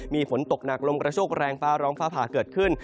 มีฝนตกหนักลมกระโชคแรงฟ้าร้องฟ้าผ่าเกิดขึ้น